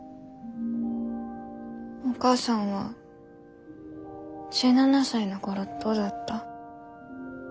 お母さんは１７才の頃どうだった？